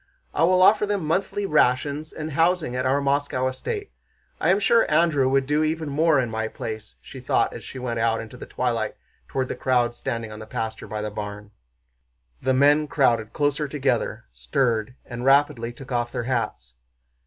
"I will offer them monthly rations and housing at our Moscow estate. I am sure Andrew would do even more in my place," she thought as she went out in the twilight toward the crowd standing on the pasture by the barn. The men crowded closer together, stirred, and rapidly took off their hats.